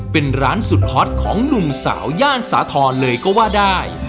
เป็นร้านสุดฮอตของหนุ่มสาวย่านสาธรณ์เลยก็ว่าได้